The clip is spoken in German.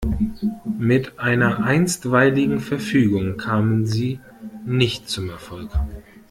Mit einer Einstweiligen Verfügung kamen sie nicht zum Erfolg.